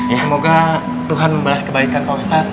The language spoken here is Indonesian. semoga tuhan memberas kebaikan pak ustad